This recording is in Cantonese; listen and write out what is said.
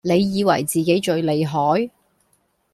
你以為自己最厲害